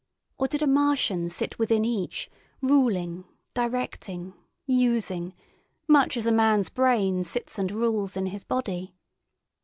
Or did a Martian sit within each, ruling, directing, using, much as a man's brain sits and rules in his body?